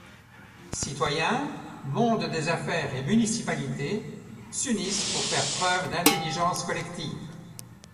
Citoyens, monde des affaires et municipalités s’unissent pour faire preuve d’intelligence collective.